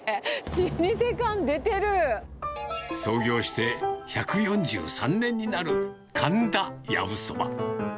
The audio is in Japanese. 老舗感出創業して１４３年になる、かんだやぶそば。